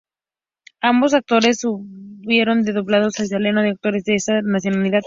Ambos actores hubieron de ser doblados al italiano por actores de esta nacionalidad.